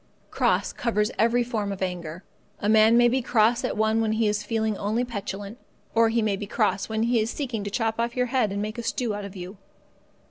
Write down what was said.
Cross covers every form of anger. A man may be cross at one when he is feeling only petulant; or he may be cross when he is seeking to chop off your head and make a stew out of you.